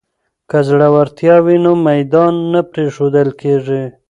که زړورتیا وي نو میدان نه پریښودل کیږي.